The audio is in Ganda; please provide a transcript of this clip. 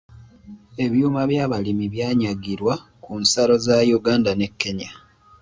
Ebyuma by’abalimi byanyagirwa ku nsalo za Yuganda ne "Kenya".